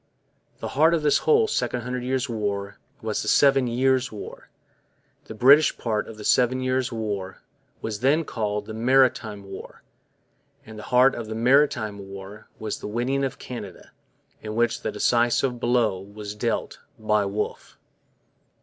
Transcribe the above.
The heart of this whole Second Hundred Years' War was the Seven Years' War; the British part of the Seven Years' War was then called the 'Maritime War'; and the heart of the 'Maritime War' was the winning of Canada, in which the decisive blow was dealt by Wolfe.